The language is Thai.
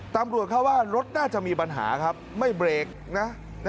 ตำรวจเข้าว่ารถน่าจะมีปัญหาครับไม่เบรกนะ